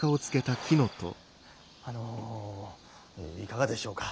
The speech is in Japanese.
あのいかがでしょうか？